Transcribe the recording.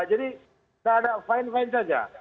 jadi saya ada fine fine saja